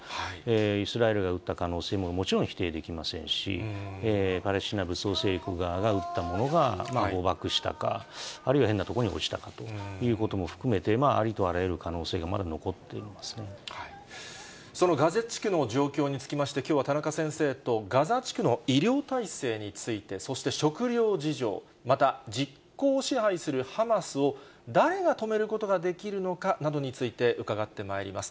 イスラエルが撃った可能性ももちろん否定できませんし、パレスチナ武装勢力側が撃ったものが誤爆したか、あるいは変な所に落ちたかということも含めて、ありとあらゆる可そのガザ地区の状況につきまして、きょうは田中先生とガザ地区の医療体制について、そして食料事情、また実効支配するハマスを誰が止めることができるのかなどについて、伺ってまいります。